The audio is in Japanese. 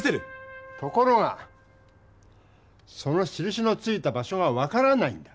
ところがそのしるしのついた場所が分からないんだ。